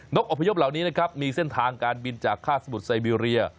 อบอพยพเหล่านี้นะครับมีเส้นทางการบินจากค่าสมุทรไซเบีเรีย